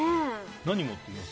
何持っていきます？